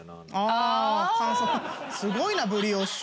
すごいなブリオッシュ。